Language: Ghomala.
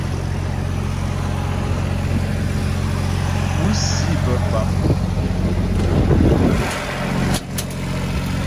Púsi bə́ bap.